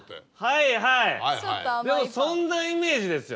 はいはいでもそんなイメージですよ。